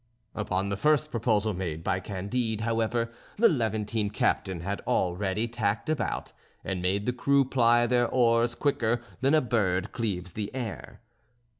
Upon the first proposal made by Candide, however, the Levantine captain had already tacked about, and made the crew ply their oars quicker than a bird cleaves the air.